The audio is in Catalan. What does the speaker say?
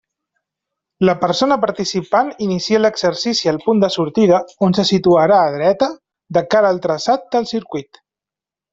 La persona participant inicia l'exercici al punt de sortida, on se situarà dreta, de cara al traçat del circuit.